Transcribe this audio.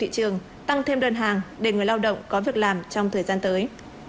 cho thêm đơn hàng để người lao động có việc làm trong thời gian tới